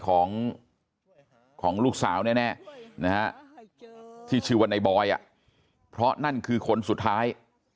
ของลูกสาวแน่นะฮะที่ชื่อว่าในบอยเพราะนั่นคือคนสุดท้าย